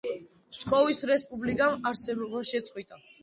ფსკოვის რესპუბლიკამ არსებობა შეწყვიტა.